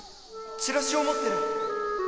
チラシを持ってる！